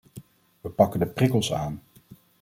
We pakken de prikkels aan.